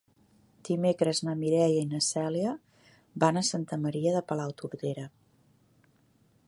Dimecres na Mireia i na Cèlia van a Santa Maria de Palautordera.